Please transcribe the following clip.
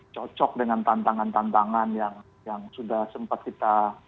cocok dengan tantangan tantangan yang sudah sempat kita